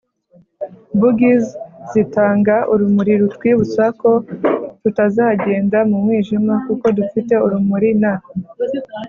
-bougies zitanga urumuri rutwibutsa ko tutazagenda mu mwijima kuko dufite urumuri n